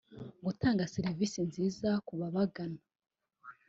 gutanga serivisi nziza ku babagana